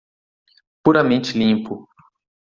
Puramente limpo